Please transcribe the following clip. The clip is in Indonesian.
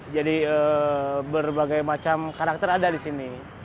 jadi berbagai macam karakter ada di sini